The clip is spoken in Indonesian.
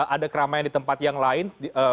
ada keramaian di tempat yang lain